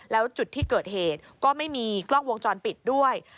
แล้วจุดที่เกิดเหตุก็ไม่มีกล้องวงจรปิดด้วย